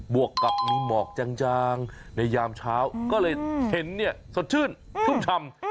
วกกับมีหมอกจางในยามเช้าก็เลยเห็นเนี่ยสดชื่นชุ่มชำ